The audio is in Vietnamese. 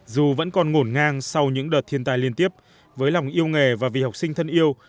dù vẫn còn ngổn ngang sau những đợt thiên tai liên tiếp với lòng yêu nghề và vì học sinh thân yêu